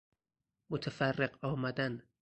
متفرق آمدن